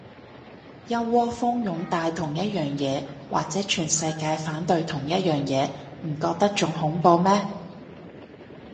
一窩蜂擁戴同一樣嘢，或者全世界反對同一樣嘢，唔覺得仲恐怖咩